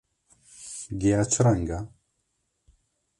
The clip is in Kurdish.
Giya çi reng e?